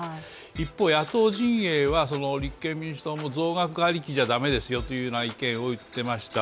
一方、野党陣営は立憲民主党も増額ありきじゃ駄目ですよというようなことを言ってました。